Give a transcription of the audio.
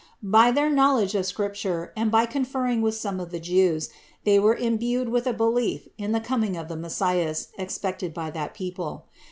By their knowledge of Scripture, and by con ferring with some of the Jews, they were imbued with a belief in the coming of the Messias expected by that people.